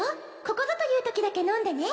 ここぞというときだけ飲んでね